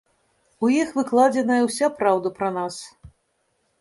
У іх выкладзеная ўся праўда пра нас.